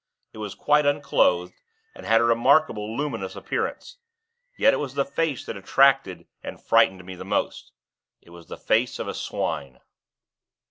It was quite unclothed, and had a remarkable luminous appearance. Yet it was the face that attracted and frightened me the most. It was the face of a swine.